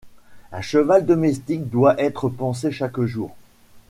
Un cheval domestique doit être pansé chaque jour.